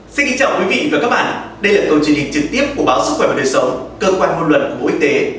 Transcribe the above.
xin kính chào quý vị và các bạn đây là câu truyền hình trực tiếp của báo sức khỏe và đời sống cơ quan ngôn luận của bộ y tế